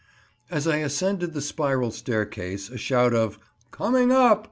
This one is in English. ] As I ascended the spiral staircase a shout of "Coming up!"